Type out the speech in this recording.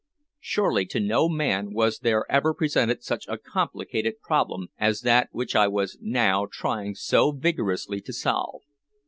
Surely to no man was there ever presented such a complicated problem as that which I was now trying so vigorously to solve.